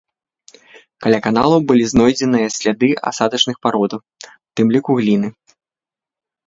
Каля каналаў былі знойдзеныя сляды асадачных парод, у тым ліку гліны.